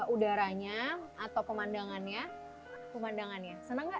udaranya atau pemandangannya pemandangannya senang gak